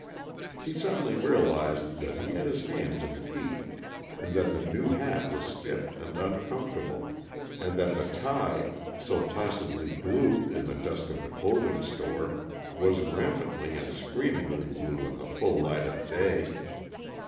He suddenly realized that he had hands and feet, and that the new hat was stiff and uncomfortable, and that the tie so placidly blue in the dusk of the clothing store was rampantly and screamingly blue in the full light of day.